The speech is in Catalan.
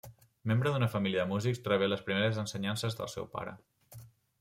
Membre d'una família de músics, rebé les primeres ensenyances del seu pare.